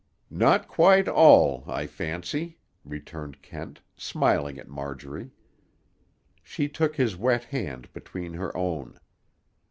"Not quite all, I fancy," returned Kent, smiling at Marjorie. She took his wet hand between her own.